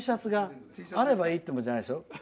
あればいいってもんじゃないですよ。